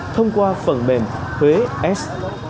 thông qua phần mềm huế s